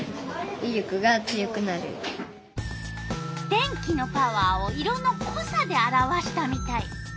電気のパワーを色のこさで表したみたい。